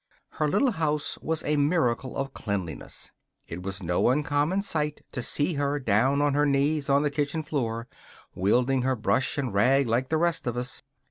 Her little house was a miracle of cleanliness. It was no uncommon sight to see her down on her knees on the kitchen floor, wielding her brush and rag like the rest of us.